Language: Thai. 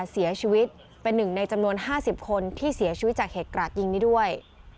เสียชีวิตเป็นหนึ่งในจำนวน๕๐คนที่เสียชีวิตจากเหตุกราดยิงนี้ด้วย